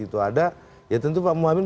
itu ada ya tentu pak muhamin